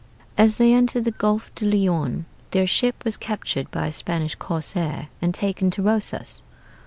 As they entered the Golfe du Lion their ship was captured by a Spanish corsair and taken to Rosas.